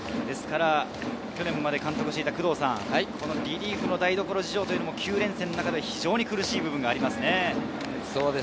去年まで監督をしていた工藤さん、リリーフの台所事情も９連戦の中で非常に苦しい部分がありますね。